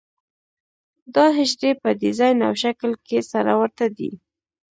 دا حجرې په ډیزاین او شکل کې سره ورته دي.